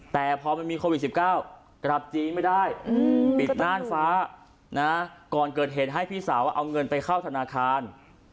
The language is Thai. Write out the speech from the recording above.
แต่พอมันมีโควิด๑๙กลับจีนไม่ได้ปิดน่านฟ้านะก่อนเกิดเหตุให้พี่สาวเอาเงินไปเข้าธนาคาร